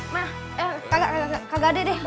ma kak gade deh